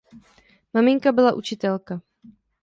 Maminka byla učitelka.